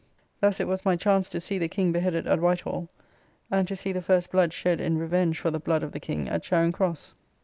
Thus it was my chance to see the King beheaded at White Hall, and to see the first blood shed in revenge for the blood of the King at Charing Cross.